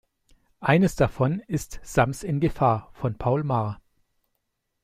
Eines davon ist Sams in Gefahr von Paul Maar.